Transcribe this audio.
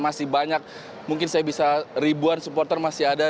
masih banyak mungkin saya bisa ribuan supporter masih ada